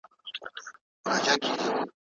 ځوان نسل ته باید هیله ورکړل سي.